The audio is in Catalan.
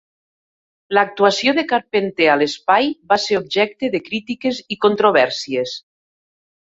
L'actuació de Carpenter a l'espai va ser objecte de crítiques i controvèrsies.